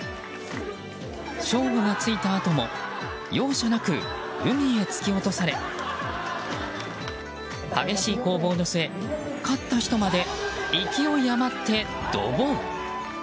勝負がついたあとも容赦なく海へ突き落され激しい攻防の末勝った人まで勢い余ってドボン。